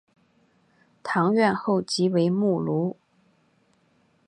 堂院后即为墓庐。